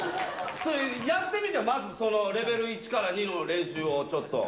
それ、やってみてよ、まず、そのレベル１から２の練習をちょっと。